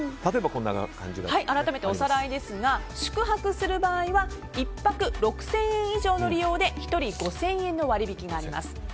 改めて、おさらいですが宿泊する場合は１泊６０００円以上の利用で１人５０００円の割引があります。